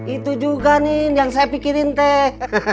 itu juga nih yang saya pikirin teh